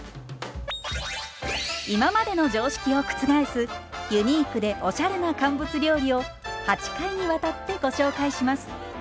今までの常識を覆すユニークでおしゃれな乾物料理を８回にわたってご紹介します。